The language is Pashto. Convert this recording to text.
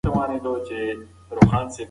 ماشومان باید د خپلو ملګرو عیبونه پټ کړي.